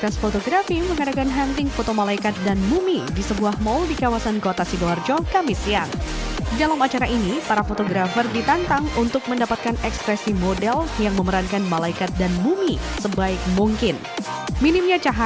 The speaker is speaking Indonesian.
sidoarjo asik berhunting foto malaikat dan mumi